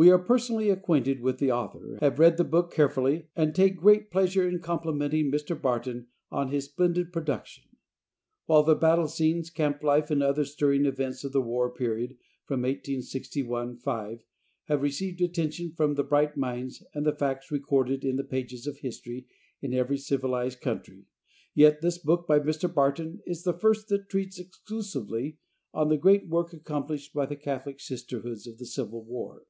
We are personally acquainted with the author, have read the book carefully, and take great pleasure in complimenting Mr. Barton on his splendid production. While the battle scenes, camp life and other stirring events of the war period from 1861 5 have received attention from the bright minds, and the facts recorded on the pages of history in every civilized country, yet this book by Mr. Barton is the first that treats exclusively on the great work accomplished by the Catholic Sisterhoods in the Civil war.